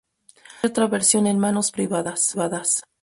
Hay otra versión en manos privadas.